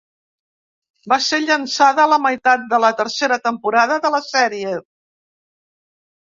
Va ser llançada a la meitat de la tercera temporada de la sèrie.